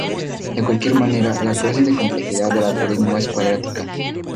De cualquier manera, la clase de complejidad del algoritmo es cuadrática.